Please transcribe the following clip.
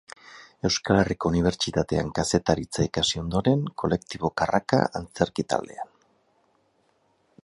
Euskal Herriko Unibertsitatean kazetaritza ikasi ondoren, Kolektibo Karraka antzerki-taldean.